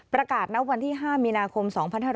ประกาศวันที่๕มีนาคม๒๕๖๐